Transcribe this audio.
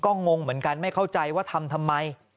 ก็งงเหมือนกันไม่เข้าใจว่าทำทำไม